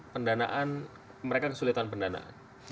pendanaan mereka kesulitan pendanaan